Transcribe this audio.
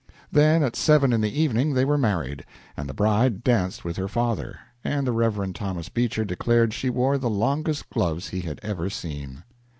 Then, at seven in the evening, they were married, and the bride danced with her father, and the Rev. Thomas Beecher declared she wore the longest gloves he had ever seen.